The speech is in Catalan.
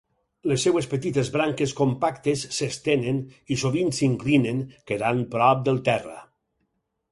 Les seves petites branques compactes s'estenen, i sovint s'inclinen, quedant prop del terra.